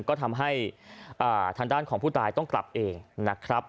ก็ทำให้ทางด้านของผู้ตายต้องกลับเองนะครับ